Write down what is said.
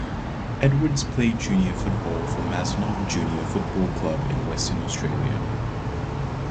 Edwards played junior football for Mazenod Junior Football Club in Western Australia.